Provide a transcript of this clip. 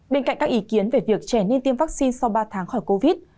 bên cạnh các ý kiến về việc trẻ nên tiêm vaccine sau ba tháng khỏi covid